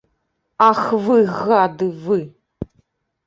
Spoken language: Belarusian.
Ах, вы, гады вы!